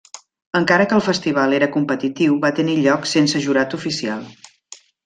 Encara que el festival era competitiu va tenir lloc sense jurat oficial.